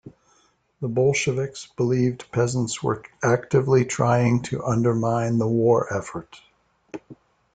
The Bolsheviks believed peasants were actively trying to undermine the war effort.